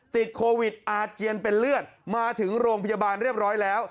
ติดโควิดอาเจียนเป็นเลือดมาถึงโรงพยาบาลเรียบร้อยแล้ว